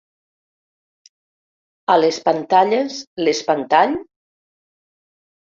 A les pantalles, l'espantall?